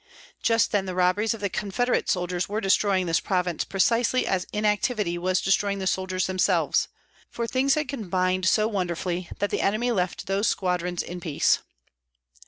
Just then the robberies of the confederate soldiers were destroying this province precisely as inactivity was destroying the soldiers themselves; for things had combined so wonderfully that the enemy left those squadrons in peace.